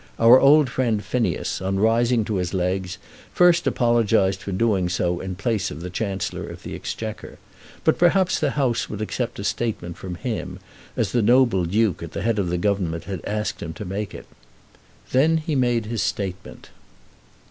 Our old friend Phineas, on rising to his legs, first apologised for doing so in place of the Chancellor of the Exchequer. But perhaps the House would accept a statement from him, as the noble Duke at the head of the Government had asked him to make it. Then he made his statement.